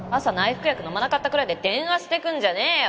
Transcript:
服薬飲まなかったくらいで電話してくるんじゃねえよ。